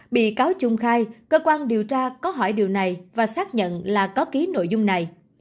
bị cáo trung khai cơ quan điều tra có hỏi điều này và xác nhận là có ký nội dung này